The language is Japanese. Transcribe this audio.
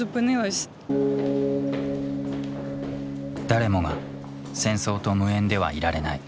誰もが戦争と無縁ではいられない。